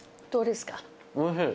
おいしい。